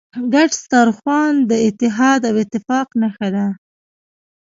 ګډ سترخوان د اتحاد او اتفاق نښه ده.